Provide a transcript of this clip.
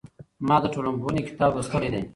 ما د ټولنپوهنې کتاب لوستلی دی.